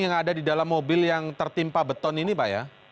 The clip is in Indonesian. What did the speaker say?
yang ada di dalam mobil yang tertimpa beton ini pak ya